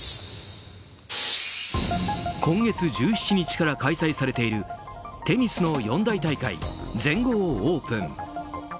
今月１７日から開催されているテニスの四大大会、全豪オープン。